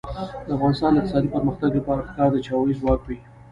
د افغانستان د اقتصادي پرمختګ لپاره پکار ده چې هوایی ځواک وي.